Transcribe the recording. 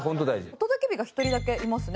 お届け日が一人だけいますね。